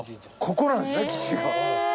ここなんですね基地が。